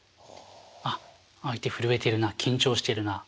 あっ相手震えてるな緊張してるな。